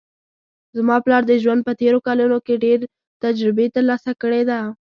زما پلار د ژوند په تېرو کلونو کې ډېر تجربې ترلاسه کړې ده